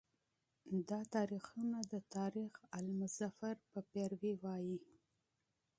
دا تاریخونه د تاریخ آل مظفر په پیروی وایي.